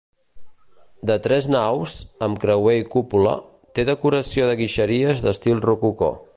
De tres naus, amb creuer i cúpula, té decoració de guixeries d'estil rococó.